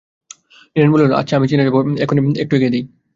নীরেন বলিল, আচ্ছা, আমি চিনে যাবো এখন, তোমাকে একটু এগিয়ে দিই।